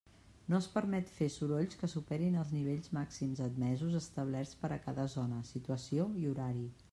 No es permet fer sorolls que superin els nivells màxims admesos establerts per a cada zona, situació i horari.